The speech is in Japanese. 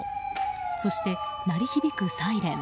そして、鳴り響くサイレン。